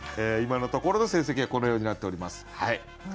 今のところの成績はこのようになっております。